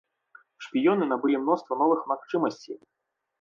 Шпіёны набылі мноства новых магчымасцей.